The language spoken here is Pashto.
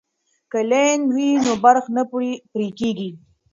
که لین وي نو برق نه پرې کیږي.